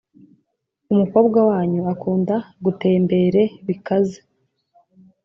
Umukobwa wanyu akunda gutembere bikaze